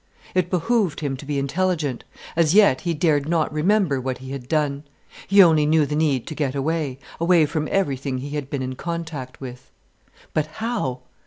It behoved him to be intelligent. As yet he dared not remember what he had done. He only knew the need to get away, away from everything he had been in contact with. But how?